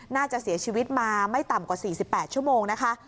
น่าจะเสียชีวิตมาไม่ต่ำกว่า๔๘ชั่วโมงนะคะ